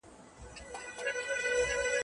مطربه چي رباب درسره وینم نڅا راسي